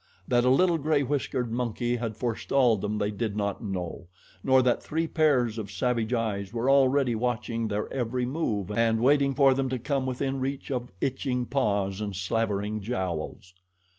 That a little gray whiskered monkey had forestalled them they did not know, nor that three pairs of savage eyes were already watching their every move and waiting for them to come within reach of itching paws and slavering jowls.